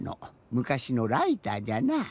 むかしのライターじゃなぁ。